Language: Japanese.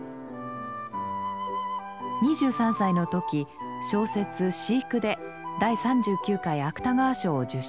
２３歳の時小説「飼育」で第３９回芥川賞を受賞。